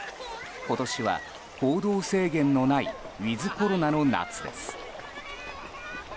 今年は行動制限のないウィズコロナの夏です。